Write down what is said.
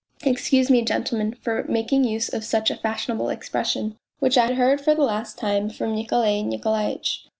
Excuse me, gentlemen, for making use of such a fashionable expression, which I heard for the last time from Nikolay Nikolaitch.